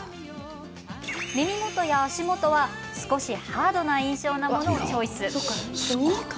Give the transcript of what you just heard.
耳元や足元は、少しハードな印象のものをチョイス。